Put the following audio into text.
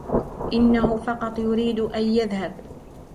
إنه فقط يريد أن يذهب